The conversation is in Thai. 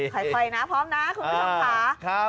ค่อยนะพร้อมนะคุณผู้ชมค่ะ